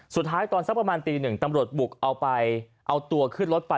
ตอนสักประมาณตีหนึ่งตำรวจบุกเอาไปเอาตัวขึ้นรถไป